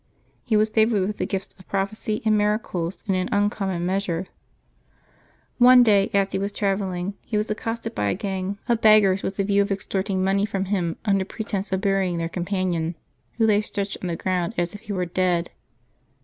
He was favored with the gifts of prophecy and miracles in an uncommon measure. One day, as he was travelling, he was accosted by a gang of 246 LIVES OF THE SAINTS [July 11 beggars, with the view of extorting money from him imder pretence of burying their companion, who lay stretched on the ground as if he were dead.